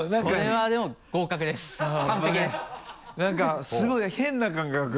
何かすごい変な感覚。